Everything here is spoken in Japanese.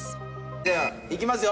ではいきますよ。